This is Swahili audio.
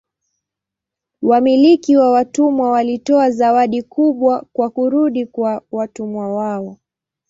Wamiliki wa watumwa walitoa zawadi kubwa kwa kurudi kwa watumwa wao.